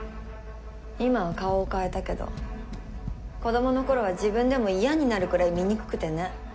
今は顔を変えたけど子供の頃は自分でも嫌になるくらい醜くてね